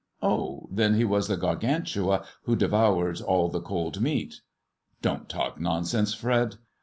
" Oh, then he was the Gargantua who devoured all cold meat." ^" Don't talk nonsense, Fred.